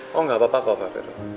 oh enggak apa apa kok pak fero